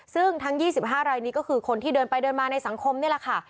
ซึ่งทั้ง๒๕รายนี้ก็คือคนที่เดินไปเดินมาในสังคมนี่แหละค่ะ